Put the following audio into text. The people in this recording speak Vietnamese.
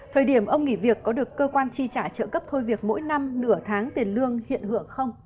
thời điểm ông nghỉ việc có được cơ quan tri trả trợ cấp thôi việc mỗi năm nửa tháng tiền lương hiện hưởng không